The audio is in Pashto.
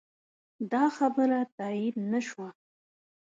دا خبره تایید نه شوه.